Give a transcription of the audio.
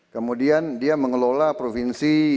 kemudian dia mengelola provinsi